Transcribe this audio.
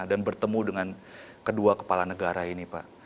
dan bertemu dengan kedua kepala negara ini pak